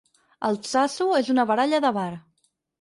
Altsasu és una baralla de bar.